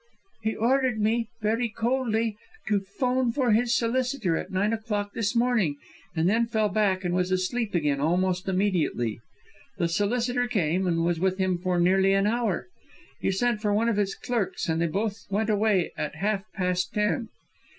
"He ordered me, very coldly, to 'phone for his solicitor at nine o'clock this morning, and then fell back, and was asleep again almost immediately. The solicitor came, and was with him for nearly an hour. He sent for one of his clerks, and they both went away at half past ten.